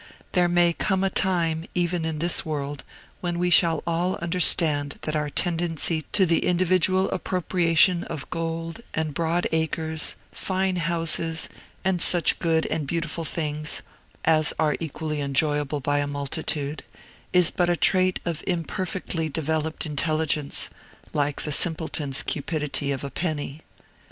There may come a time, even in this world, when we shall all understand that our tendency to the individual appropriation of gold and broad acres, fine houses, and such good and beautiful things as are equally enjoyable by a multitude, is but a trait of imperfectly developed intelligence, like the simpleton's cupidity of a penny.